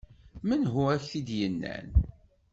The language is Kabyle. Menhu ak-t-id-yennan?